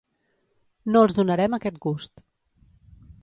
No els donarem aquest gust.